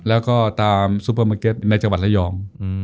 แล้วก็ตามซุปเปอร์มาร์เก็ตในจังหวัดระยอง